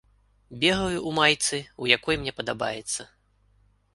Бегаю ў майцы, у якой мне падабаецца.